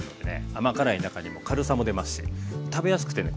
甘辛い中にも軽さも出ますし食べやすくてね